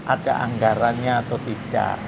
ada anggaranya atau tidak